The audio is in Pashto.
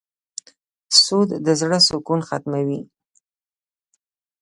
سود د زړه سکون ختموي.